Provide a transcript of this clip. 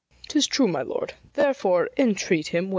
'Tis true, my lord; therefore entreat him well.